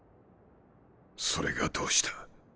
それがどうした？